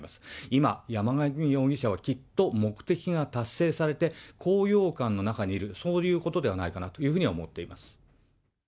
今、山上容疑者はきっと目的が達成されて、高揚感の中にいる、そういうことではないかなというふうに思っています。